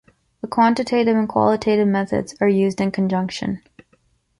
The quantitative and qualitative methods are used in conjunction.